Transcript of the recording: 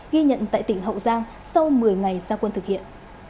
ghi nhận tại tỉnh hậu giang sau một mươi ngày gia quân thực hiện